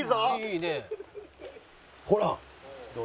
ほら！